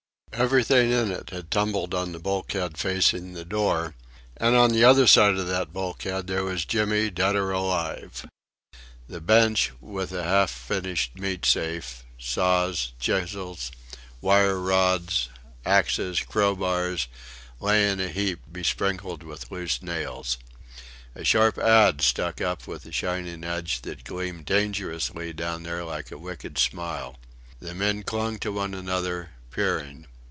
Everything in it had tumbled on the bulkhead facing the door, and on the other side of that bulkhead there was Jimmy dead or alive. The bench, a half finished meat safe, saws, chisels, wire rods, axes, crowbars, lay in a heap besprinkled with loose nails. A sharp adze stuck up with a shining edge that gleamed dangerously down there like a wicked smile. The men clung to one another, peering.